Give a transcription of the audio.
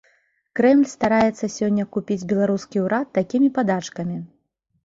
Крэмль стараецца сёння купіць беларускі ўрад такімі падачкамі.